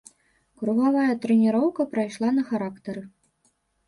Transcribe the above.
Кругавая трэніроўка прайшла на характары.